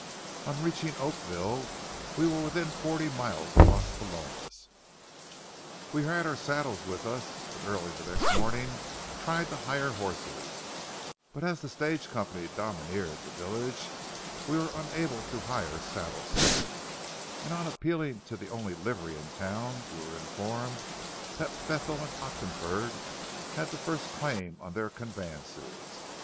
On reaching Oakville, we were within forty miles of Las Palomas. We had our saddles with us, and early the next morning tried to hire horses; but as the stage company domineered the village we were unable to hire saddle stock, and on appealing to the only livery in town we were informed that Bethel & Oxenford had the first claim on their conveyances.